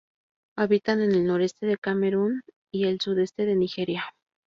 Habita en el noreste de Camerún y el sudeste de Nigeria.